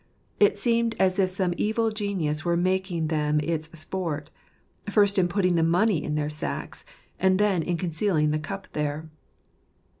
It seemed as if some evil genius were making them its sport, first in putting the money in their sacks, and then in concealing the cup there.